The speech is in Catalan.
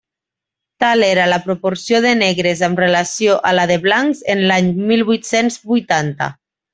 Tal era la proporció de negres amb relació a la de blancs en l'any mil vuit-cents vuitanta.